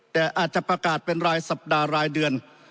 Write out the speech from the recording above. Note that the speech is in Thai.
แต่อาจจะประกาศเป็นรายสัปดาห์รายเดือน